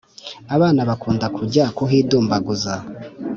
Abana bakunda kujya kuhidumbaguza